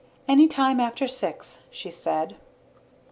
"Any time after six," she said.